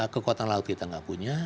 kekuatan laut kita nggak punya